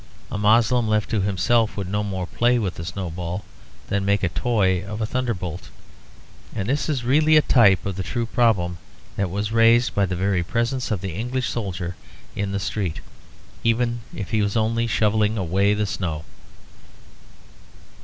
A Moslem left to himself would no more play with a snowball than make a toy of a thunderbolt. And this is really a type of the true problem that was raised by the very presence of the English soldier in the street, even if he was only shovelling away the snow.